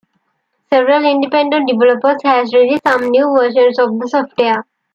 Several independent developers have released some new versions of the software.